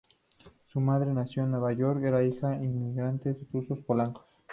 Su madre nació en nueva York, era hija de inmigrantes rusos-polacos.